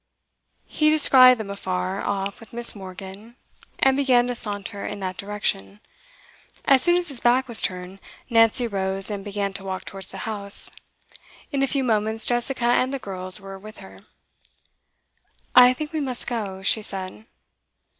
He descried them afar off with Miss. Morgan, and began to saunter in that direction. As soon as his back was turned, Nancy rose and began to walk towards the house. In a few moments Jessica and the girls were with her. 'I think we must go,' she said.